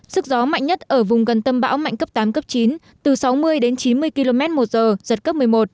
sức gió mạnh nhất ở vùng gần tâm bão mạnh cấp tám cấp chín từ sáu mươi đến chín mươi km một giờ giật cấp một mươi một